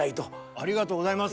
ありがとうございます。